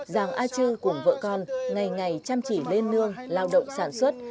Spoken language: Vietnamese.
giàng a chư cùng vợ con ngày ngày chăm chỉ lên nương lao động sản xuất